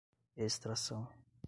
extração